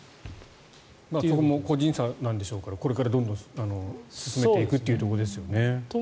そこも個人差なんでしょうからこれからどんどん進めていくということですよね。